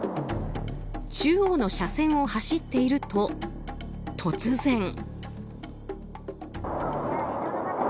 中央の車線を走っていると突然。